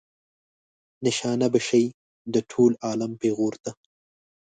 نشانه به شئ د ټول عالم پیغور ته.